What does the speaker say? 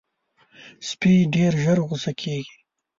سپي ډېر ژر غصه کېږي.